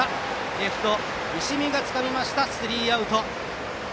レフト、石見がつかんでスリーアウト。